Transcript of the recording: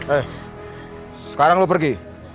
eh sekarang lo pergi